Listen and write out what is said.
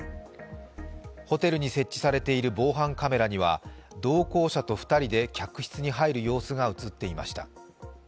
ホテルに設置されている防犯カメラには同行者と２人で客室に入る様子が映っていました。